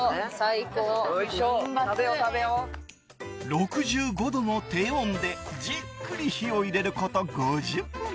６５度の低温でじっくり火を入れること５０分。